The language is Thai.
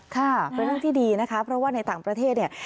ค่ะเป็นเรื่องที่ดีนะคะเพราะว่าในต่างประเทศเนี่ย